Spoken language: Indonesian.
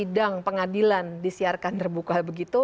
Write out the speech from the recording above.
sidang pengadilan disiarkan terbuka begitu